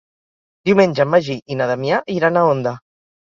Diumenge en Magí i na Damià iran a Onda.